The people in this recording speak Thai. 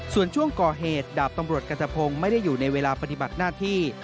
ส่วนช่วงก่อเหตุดาบตำรวจกัณฑพงศ์ไม่ได้อยู่ในเวลาปฏิบัติหน้าที่